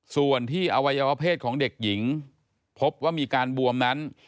ส่วนที่อวัยวะเพศของเด็กหญิงพบว่ามีการบวมนั้น